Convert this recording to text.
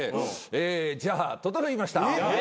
えじゃあ整いました。